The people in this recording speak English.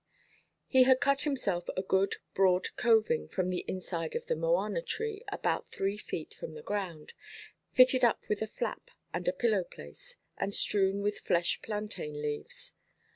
He had cut himself a good broad coving from the inside of the mowana–tree, about three feet from the ground, fitted up with a flap and a pillow–place, and strewn with fresh plantain–leaves.